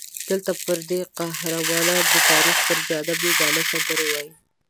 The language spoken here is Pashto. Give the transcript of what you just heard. دلته پردي قهرمانان د تاریخ پر جاده بېګانه سندرې وایي.